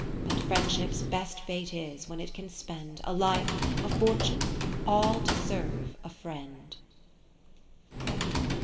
But Friendship's best fate is, when it can spend A life, a fortune, all to serve a Friend.